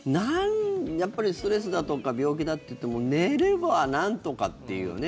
やっぱりストレスだとか病気だっていっても寝ればなんとかっていうね。